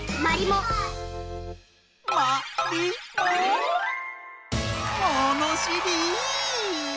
ものしり！